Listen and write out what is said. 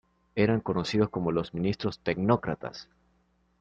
Eran conocidos como los ministros tecnócratas.